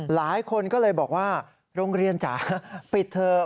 หลายคนก็เลยบอกว่าโรงเรียนจ๋าปิดเถอะ